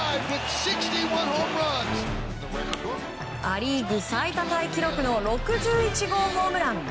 ア・リーグ最多タイ記録の６１号ホームラン。